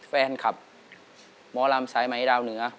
แฟนคลับหมอลำสายไหมดาวเหนือ